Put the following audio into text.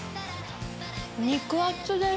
肉厚です！